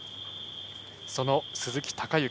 その鈴木孝幸